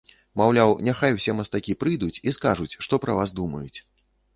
Маўляў, няхай усе мастакі прыйдуць і скажуць, што пра вас думаюць.